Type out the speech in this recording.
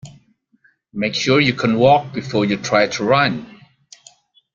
Make sure you can walk before you try to run.